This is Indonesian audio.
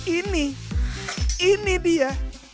ini ini dia